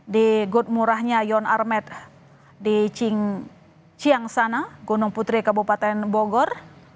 di godmurahnya yon armet di ciyang sana gunung putri kabupaten bogor